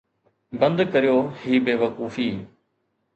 بند ڪريو هي بيوقوفي